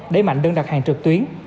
đẩy mạnh đơn đặt hàng trực tuyến